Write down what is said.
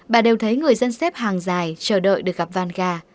bà đều thấy người dân xếp hàng dài chờ đợi được gặp vanga